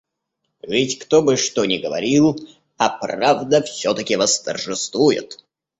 Ведь кто бы что ни говорил, А правда всё-таки восторжествует.